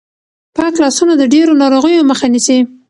پاک لاسونه د ډېرو ناروغیو مخه نیسي.